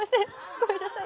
ごめんなさい。